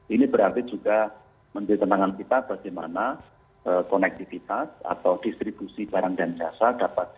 ini berarti juga mendirikan tentang kita bagaimana konektivitas atau distribusi dari rumah tangga dan rumah kerja baru ini